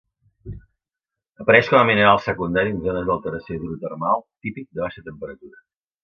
Apareix com a mineral secundari en zones d'alteració hidrotermal, típic de baixa temperatura.